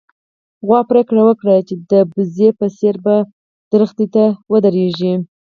غوا پرېکړه وکړه چې د وزې په څېر په ونې ودرېږي.